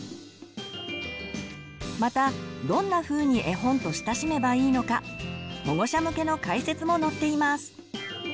またどんなふうに絵本と親しめばいいのか保護者向けの解説も載っています。